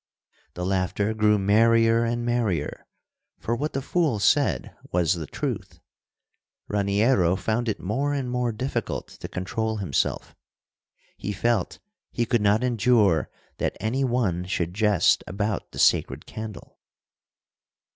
'" The laughter grew merrier and merrier, for what the fool said was the truth. Raniero found it more and more difficult to control himself. He felt he could not endure that any one should jest about the sacred candle.